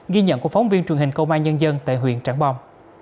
ghi nhận của phóng viên truyền hình công an nhân dân tại huyện trảng bom